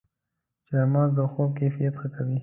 چارمغز د خوب کیفیت ښه کوي.